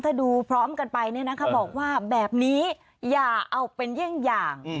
ถ้าดูพร้อมกันไปบอกว่าแบบนี้อย่าเอาเป็นเยี่ยงอย่าง